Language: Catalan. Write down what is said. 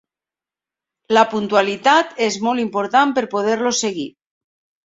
La puntualitat és molt important per poder-lo seguir.